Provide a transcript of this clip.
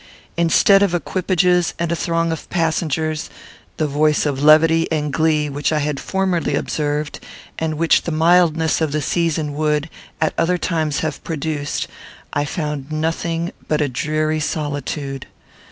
Instead of equipages and a throng of passengers, the voice of levity and glee, which I had formerly observed, and which the mildness of the season would, at other times, have produced, I found nothing but a dreary solitude.